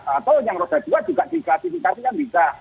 atau yang roda dua juga juga diklasifikasi kan bisa